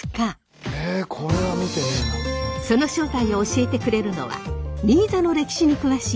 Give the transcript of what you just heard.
その正体を教えてくれるのは新座の歴史に詳しい